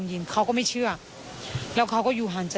ส่วนรถที่นายสอนชัยขับอยู่ระหว่างการรอให้ตำรวจสอบ